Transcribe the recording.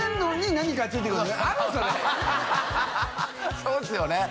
そうですよね。